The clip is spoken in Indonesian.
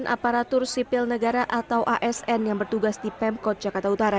dua ratus sembilan puluh sembilan aparatur sipil negara atau asn yang bertugas di pemkot jakarta utara